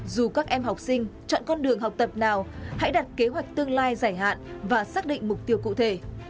dù các em học sinh chọn con đường học tập nào hãy đặt kế hoạch tương lai giải hạn và xác định mục tiêu cụ thể